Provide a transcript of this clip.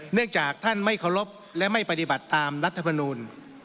เนื่องจากท่านไม่เคารพและไม่ปฏิบัติตามรัฐมนูล